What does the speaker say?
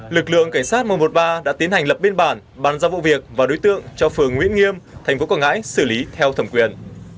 lực lượng cảnh sát một trăm một mươi ba đã tiến hành lập biên bản bàn ra vụ việc và đối tượng cho phường nguyễn nghiêm tp quảng ngãi xử lý theo thẩm quyền